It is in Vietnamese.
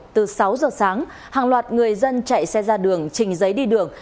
từ sáu giờ sáng hàng loạt người dân chạy xe ra đường trình giấy đi đường